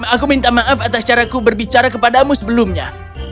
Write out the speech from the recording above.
aku minta maaf atas caraku berbicara kepadamu sebelumnya